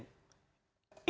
itu pun saya diangkat